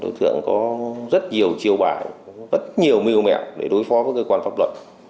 đối tượng có rất nhiều chiều bản rất nhiều mưu mẹo để đối phó với cơ quan pháp luật